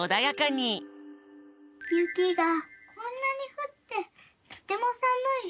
「ゆきがこんなにふってとてもさむい。